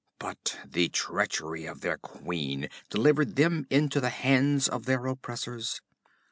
But the treachery of their queen delivered them into the hands of their oppressors.